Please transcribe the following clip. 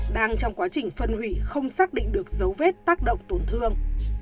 đang trong quá trình phân hủy không xác định được dấu vết tác động tổn thương